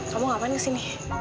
kamu ngapain kesini